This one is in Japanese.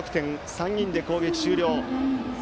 ３人で攻撃終了。